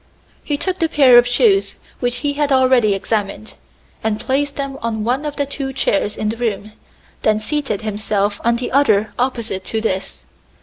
He took the pair of shoes which he had already examined, and placed them on one of the two chairs in the room, then seated himself on the other opposite to this.